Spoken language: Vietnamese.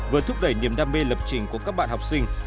vừa thúc đẩy niềm đam mê lập trình của các bạn học sinh